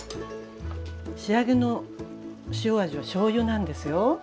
仕上げの塩味はしょうゆなんですよ。